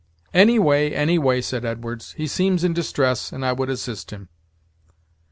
"Any way, any way," said Edwards; "he seems in distress, and I would assist him."